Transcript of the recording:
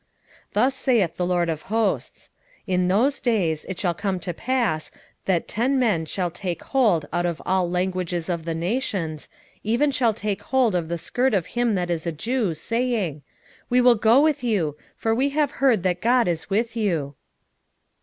8:23 Thus saith the LORD of hosts; In those days it shall come to pass, that ten men shall take hold out of all languages of the nations, even shall take hold of the skirt of him that is a Jew, saying, We will go with you: for we have heard that God is with you.